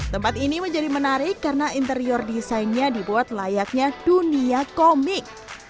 tempat ini menjadi menarik karena interior desainnya dibuat layaknya dunia komik